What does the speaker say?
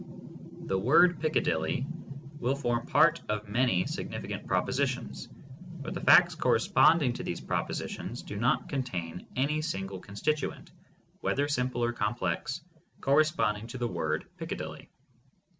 The word "Piccadilly" will form part of many sig nificant propositions, but the facts corresponding to these propositions do not contain any single constituent, whether simple or complex, corresponding to the word "Piccadilly."